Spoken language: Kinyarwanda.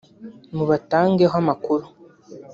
mubatangeho amakuru